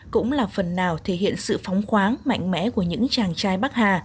cũng là phần nào thể hiện sự phóng khoáng mạnh mẽ của những chàng trai bắc hà